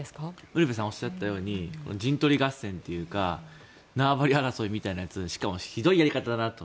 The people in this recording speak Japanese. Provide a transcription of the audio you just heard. ウルヴェさんがおっしゃったように陣取り合戦というか縄張り争いみたいなやつしかもひどいやり方だなと。